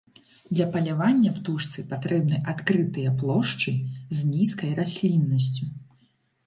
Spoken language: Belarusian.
Для палявання птушцы патрэбны адкрытыя плошчы з нізкай расліннасцю.